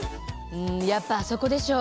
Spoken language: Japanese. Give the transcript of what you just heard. うんやっぱあそこでしょ